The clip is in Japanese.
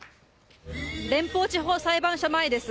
連邦地方裁判所前です。